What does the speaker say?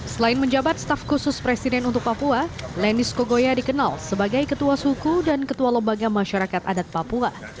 selain menjabat staf khusus presiden untuk papua lenis kogoya dikenal sebagai ketua suku dan ketua lembaga masyarakat adat papua